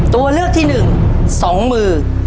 ตัวเลือกที่หนึ่งสองมือ